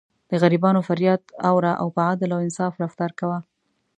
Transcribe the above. د غریبانو فریاد اوره او په عدل او انصاف رفتار کوه.